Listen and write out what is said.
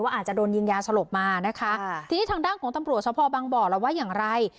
อาจจะโดนยิงยาสลบมานะคะทีนี้ทางด้านของตำรวจสภบางบ่อแล้วว่าอย่างไร